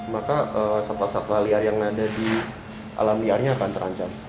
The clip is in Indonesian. maka satwa satwa liar yang ada di alam liarnya akan terancam